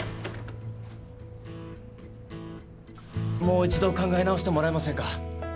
もう一度考え直してもらえませんか？